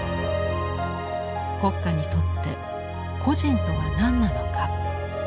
国家にとって個人とは何なのか。